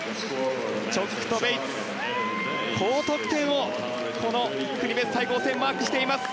チョックとベイツ高得点をこの国別対抗戦でマークしています。